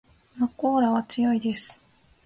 まこーらは強いです